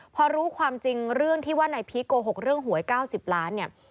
พอรู้ความจริงเรื่องที่ว่านายพีคโกหกเรื่องหวย๙๐ล้านเนี่ย